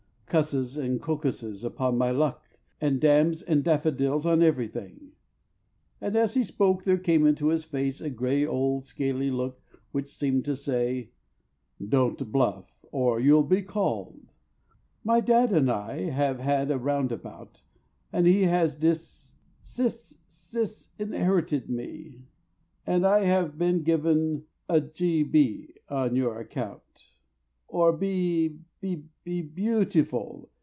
"Cusses and crocuses upon my luck! And damns and daffodils on everything!" And as he spoke there came into his face A grey old scaly look which seemed to say, Don't bluff or you'll be called. "My dad and I Have had a round about, and he has dis— Sis—sis—inherited me; and I have Been given the g. b. on your account, My be—b—beau—tiful.